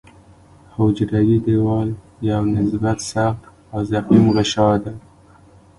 حجروي دیوال یو نسبت سخت او ضخیم غشا ده.